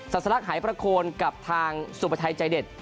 สรรคหายพระโคนกับทางสุปไทยใจเด็ด